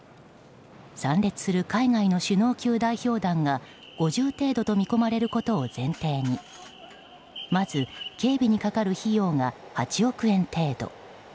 参列する海外の首脳級代表団が５０程度と見込まれることを前提にまず、警備にかかる費用が８億円程度。